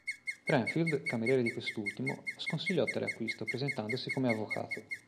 Renfield, cameriere di quest'ultimo, sconsigliò tale acquisto, presentandosi come avvocato.